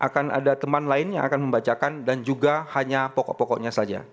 dan ada teman lain yang akan membacakan dan juga hanya pokok pokoknya saja